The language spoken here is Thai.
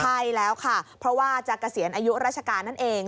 ใช่แล้วค่ะเพราะว่าจะเกษียณอายุราชการนั่นเอง